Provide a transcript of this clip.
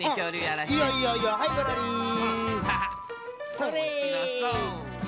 それ！